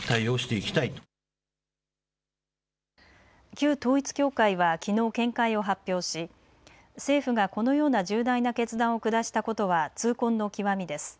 旧統一教会はきのう、見解を発表し政府がこのような重大な決断を下したことは痛恨の極みです。